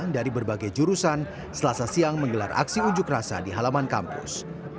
dari berbagai jurusan selasa siang menggelar aksi unjuk rasa di halaman kampus